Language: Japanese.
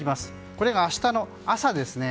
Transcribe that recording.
これが明日の朝ですね。